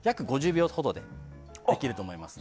５０秒ほどでできると思います。